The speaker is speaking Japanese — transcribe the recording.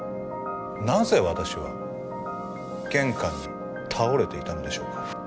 なぜ私は玄関に倒れていたのでしょうか？